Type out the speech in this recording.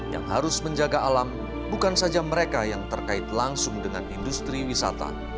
yang harus menjaga alam bukan saja mereka yang terkait langsung dengan industri wisata